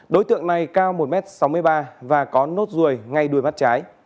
đối tượng này cao một m sáu mươi ba và có nốt ruồi ngay đuôi mắt trái